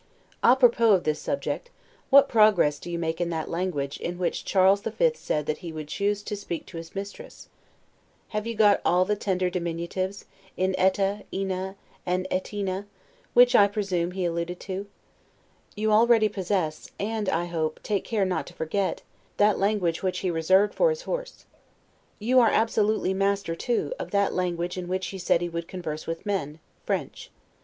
'A propos' of this subject: what progress do you make in that language, in which Charles the Fifth said that he would choose to speak to his mistress? Have you got all the tender diminutives, in 'etta, ina', and 'ettina', which, I presume, he alluded to? You already possess, and, I hope, take care not to forget, that language which he reserved for his horse. You are absolutely master, too, of that language in which he said he would converse with men; French.